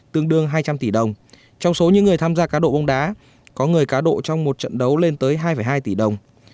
tương đương hai trăm linh tỷ đồng trong số những người tham gia cá độ bóng đá có người cá độ trong một trận đấu lên tới hai hai tỷ đồng